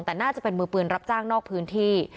แต่น่าจะเป็นมือปืนรับจ้างนอกพื้นที่